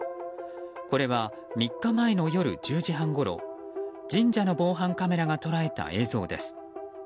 これは３日前の夜１０時半ごろ神社の防犯カメラが捉えた映像です。